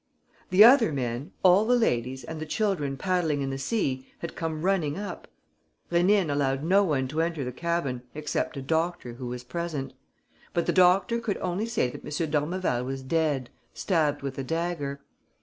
The other men, all the ladies and the children paddling in the sea had come running up. Rénine allowed no one to enter the cabin, except a doctor who was present. But the doctor could only say that M. d'Ormeval was dead, stabbed with a dagger.